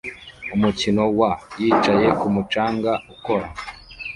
Umukino wa yicaye kumu canga ukora